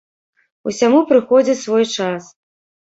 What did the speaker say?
Усяму прыходзіць свой час.